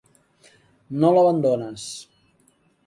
No l'abandones.